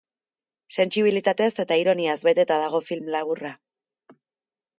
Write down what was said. Sentsibilitatez eta ironiaz beteta dago film laburra.